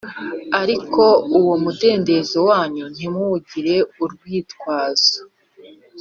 Ariko uwo mudendezo wanyu ntimuwugire urwitwazo